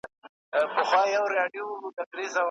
کمپيوټر ليک په ږغ بدلوي.